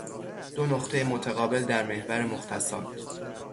دو نقطه متقابل در محور مختصات